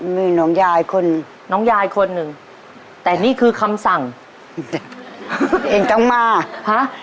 มีน้องยายคนน้องยายคนหนึ่งแต่นี่คือคำสั่งเองต้องมาฮะ